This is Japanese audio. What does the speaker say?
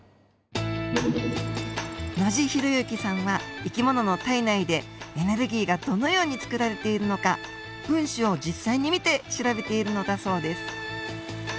野地博行さんは生き物の体内でエネルギーがどのようにつくられているのか分子を実際に見て調べているのだそうです。